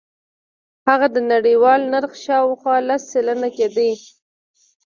هغه د نړیوال نرخ شاوخوا لس سلنه کېده.